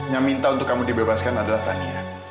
yang minta untuk kamu dibebaskan adalah tanian